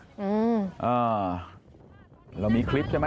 อยากให้ทุกคนกลับมาใช้บริการได้นะคะ